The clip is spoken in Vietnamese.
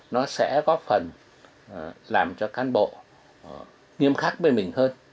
nó sẽ góp phần làm cho cán bộ nghiêm khắc với mình hơn